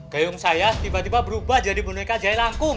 gayung saya tiba tiba berubah jadi boneka jailangkung